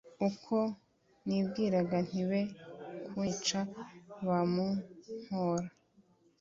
uko nibwiraga nti Be kunyica bamumpora